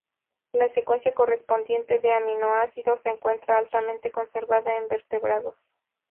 La secuencia correspondiente de aminoácidos, se encuentra altamente conservada en vertebrados.